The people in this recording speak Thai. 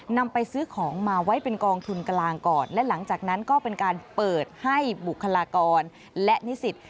นำไปซื้อของมาไว้เป็นกองทุนกลางก่อนและหลังจากนั้นก็เป็นการเปิดให้บุคลากรและนิสิต